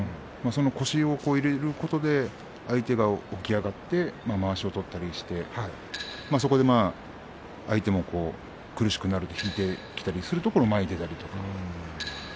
その腰を入れることで相手が起き上がってまわしを取ったりしてそこで相手も苦しくなると引いてきたりするところを前に出たりとか。